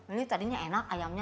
ini tadinya enak ayamnya